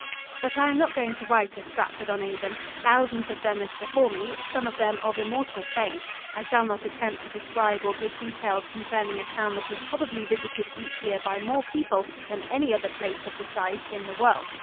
But I am not going to write of Stratford on Avon. Thousands have done this before me some of them of immortal fame. I shall not attempt to describe or give details concerning a town that is probably visited each year by more people than any other place of the size in the world.